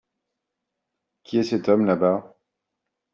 Qui est cet homme, là-bas ?